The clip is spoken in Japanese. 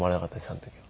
あの時は。